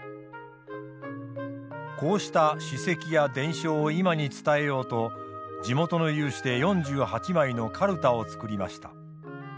こうした史跡や伝承を今に伝えようと地元の有志で４８枚のかるたを作りました。